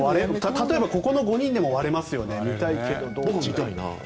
例えばここの５人でも割れますよね。